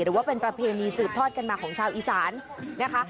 หรือว่าเป็นประเพณีสืบทอดกันมาของชาวอีสานนะคะ